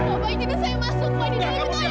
bapak ini saya masuk pak ini ayah saya